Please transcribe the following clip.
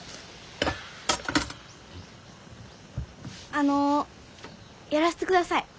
あのやらせてください。